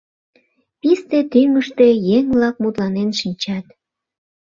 Писте тӱҥыштӧ еҥ-влак мутланен шинчат.